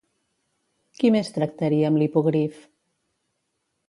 Qui més tractaria amb l'hipogrif?